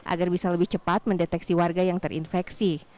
agar bisa lebih cepat mendeteksi warga yang terinfeksi